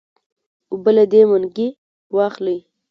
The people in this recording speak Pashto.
اوبۀ له دې منګي واخله